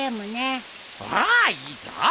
ああいいぞ。